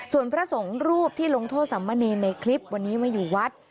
ส่วนพระสงฆ์รูปที่ลงโทษสัมมะเนรในคลิปวันนี้มาอยู่วัด